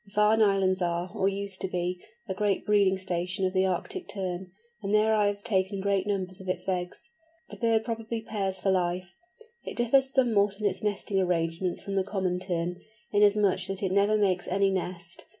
The Farne Islands are, or used to be, a great breeding station of the Arctic Tern, and there I have taken great numbers of its eggs. The bird probably pairs for life. It differs somewhat in its nesting arrangements from the Common Tern, inasmuch that it never makes any nest.